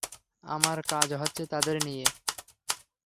আমার কাজ হচ্ছে তাদের নিয়ে।